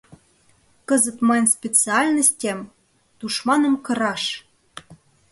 — Кызыт мыйын специальностем — тушманым кыраш!